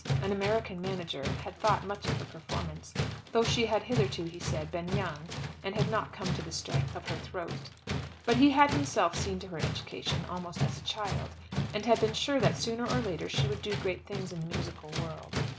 An American manager had thought much of her performance, though she had hitherto, he said, been young, and had not come to the strength of her throat. But he had himself seen to her education, almost as a child, and had been sure that sooner or later she would do great things in the musical world.